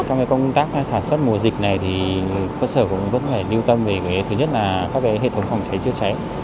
trong công tác sản xuất mùa dịch này thì cơ sở cũng vẫn phải lưu tâm về thứ nhất là các hệ thống phòng cháy chữa cháy